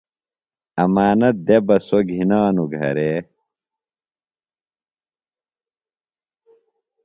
امانت دےۡ بہ سوۡ گِھنانوۡ گھرے۔